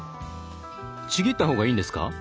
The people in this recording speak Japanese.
ちぎった方がいいんですか？